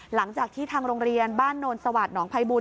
หลังจากที่ทางโรงเรียนบ้านโนนสวาสหนองภัยบูล